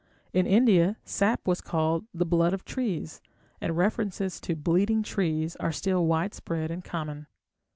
In India sap was called the "blood of trees", and references to "bleeding trees" are still widespread and common.